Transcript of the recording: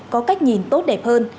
có cách nhìn tốt đẹp hơn